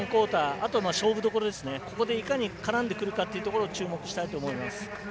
あと勝負どころここでいかに絡んでくるかというところを注目したいと思います。